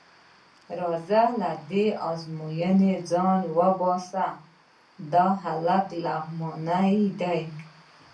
راځه له دې ازموینې ځان وباسه، دا هلک لغمانی دی.